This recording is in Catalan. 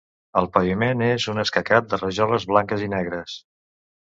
El paviment és un escacat de rajoles blanques i negres.